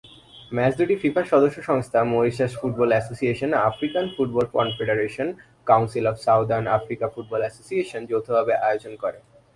Match দুটি ফিফার সদস্য সংস্থা Mauritius football association, African football confederation, council of Southern Africa football association যৌথভাবে আয়োজন করে।